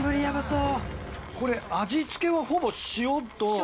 これ味付けはほぼ塩と？